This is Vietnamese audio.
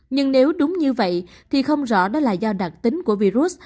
nhưng nếu đúng như vậy thì không rõ đó là do đặc tính của virus